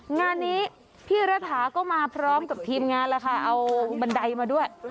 งานนี้พี่รัฐาก็มาพร้อมกับทีมงานแล้วค่ะเอาบันไดมาด้วย